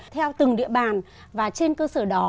theo từng địa bàn và trên cơ sở đó